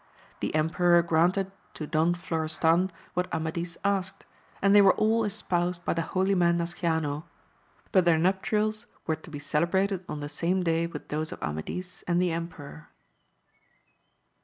The emperor granted to Don Florestan what Amadis asked, and they were all espoused by the holy man Nasciano, but their nuptials were to be celebrated on the same day with those of Amadis and the emperor.